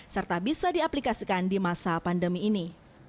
serta bisa diaplikasikan di masa pandemi ini